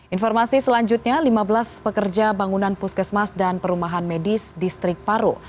informasi selanjutnya lima belas pekerja bangunan puskesmas dan perumahan medis distrik paro